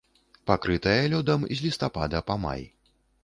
Пакрытае лёдам з лістапада па май.